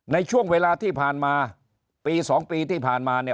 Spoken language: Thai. ในช่วงเวลาที่ผ่านมาปี๒ปีที่ผ่านมาเนี่ย